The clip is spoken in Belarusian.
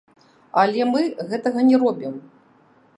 Але мы гэтага не робім.